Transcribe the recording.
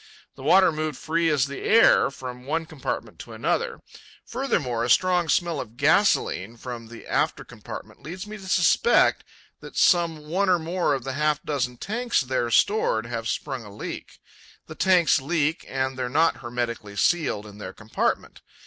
The water moved free as the air from one compartment to another; furthermore, a strong smell of gasolene from the after compartment leads me to suspect that some one or more of the half dozen tanks there stored have sprung a leak. The tanks leak, and they are not hermetically sealed in their compartment.